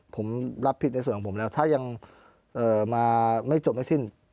ผมรับผิดในส่วนของผมแล้วถ้ายังมาไม่จบไม่สิ้น